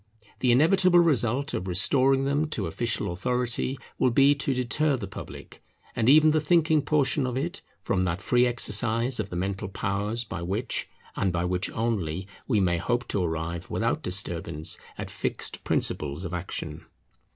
The inevitable result of restoring them to official authority will be to deter the public, and even the thinking portion of it, from that free exercise of the mental powers by which, and by which only, we may hope to arrive without disturbance at fixed principles of action.